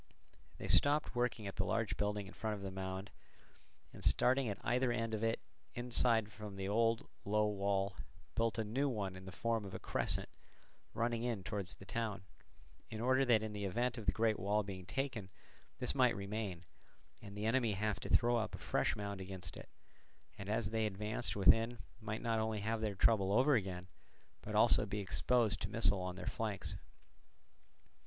They stopped working at the large building in front of the mound, and starting at either end of it inside from the old low wall, built a new one in the form of a crescent running in towards the town; in order that in the event of the great wall being taken this might remain, and the enemy have to throw up a fresh mound against it, and as they advanced within might not only have their trouble over again, but also be exposed to missiles on their flanks.